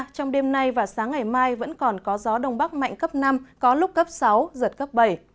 trong đêm nay và sáng ngày mai vẫn còn có gió đông bắc mạnh cấp năm có lúc cấp sáu giật cấp bảy